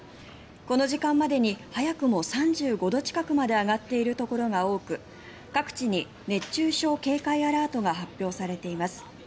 この時間までに早くも３５度近くまで上がっているところが多く各地に熱中症警戒アラートが発表されています。